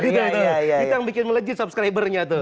itu yang bikin melejit subscribernya tuh